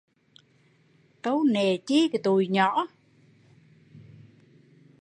Câu nệ chi tụi nhỏ